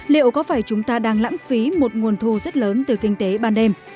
liệu có phải chúng ta đang lãng phí một nguồn thu rất lớn từ kinh tế ban đêm